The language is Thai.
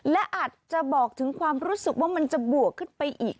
และอาจจะบอกถึงความรู้สึกว่ามันจะบวกขึ้นไปอีก